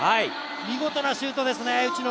見事なシュートですよね、内野。